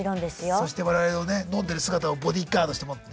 そして我々のね飲んでる姿をボディーガードしてもらって。